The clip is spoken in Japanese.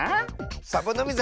サボノミズ